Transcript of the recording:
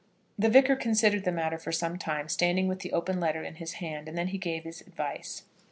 The Vicar considered the matter for some time, standing with the open letter in his hand, and then he gave his advice.